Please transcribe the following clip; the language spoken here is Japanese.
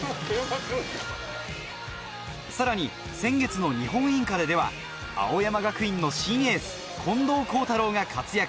さらに先月の日本インカレでは青山学院の新エース・近藤幸太郎が活躍。